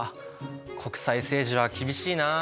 国際政治は厳しいなあ。